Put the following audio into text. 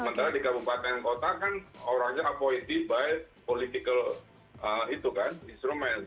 sementara di kabupaten dan kota kan orangnya avoided by political instrument